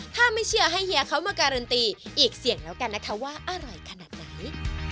ถ้าไม่เชื่อให้เฮียเขามาการันตีอีกเสี่ยงแล้วกันนะคะว่าอร่อยขนาดไหน